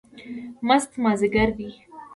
مست مازدیګر دی